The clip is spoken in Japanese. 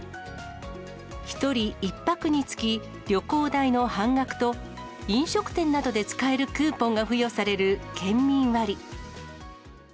１人１泊につき、旅行代の半額と、飲食店などで使えるクーポンが付与される県民割。